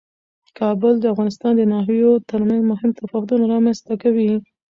کابل د افغانستان د ناحیو ترمنځ مهم تفاوتونه رامنځ ته کوي.